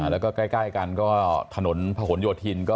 แล้วก็ใกล้กันก็ถนนพระหลโยธิน